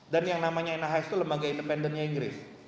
dan yang namanya nhs itu lembaga independennya inggris